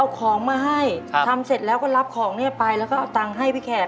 เอาของมาให้ทำเสร็จแล้วก็รับของเนี่ยไปแล้วก็เอาตังค์ให้พี่แขก